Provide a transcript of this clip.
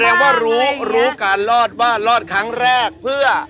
แสดงว่ารู้รู้การรอดว่ารอดครั้งแรกเพื่อ